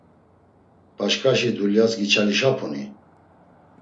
Başkaşi dulyas giçalişapuni?